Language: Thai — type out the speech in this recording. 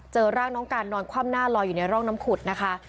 เจอร่างน้องการนอนคว่ำหน้าลอยอยู่ในร่องน้ำขุดนะคะ